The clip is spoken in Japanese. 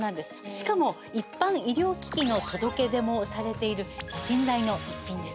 しかも一般医療機器の届け出もされている信頼の逸品です。